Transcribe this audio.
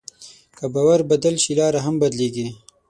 که باور بدل شي، لاره هم بدلېږي.